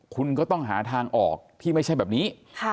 คุณก็ต้องหาทางออกที่ไม่ใช่แบบนี้